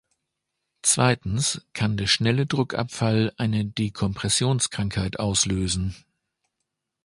Zweitens kann der schnelle Druckabfall eine Dekompressionskrankheit auslösen.